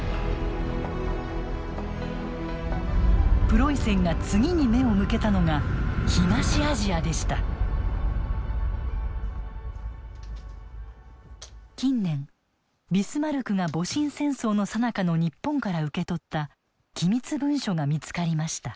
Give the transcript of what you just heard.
プロイセンが次に目を向けたのが近年ビスマルクが戊辰戦争のさなかの日本から受け取った機密文書が見つかりました。